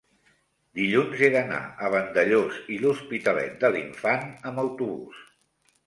dilluns he d'anar a Vandellòs i l'Hospitalet de l'Infant amb autobús.